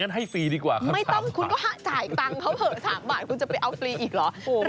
ให้ฟรีดีกว่าไม่ต้องคุณก็จ่ายตังค์เขาเถอะ๓บาทคุณจะไปเอาฟรีอีกเหรอ